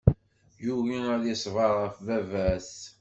Yugi ad iṣber ɣef baba-s.